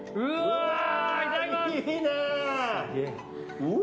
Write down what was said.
いただきます！